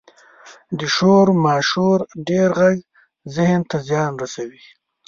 • د شور ماشور ډېر ږغ ذهن ته زیان رسوي.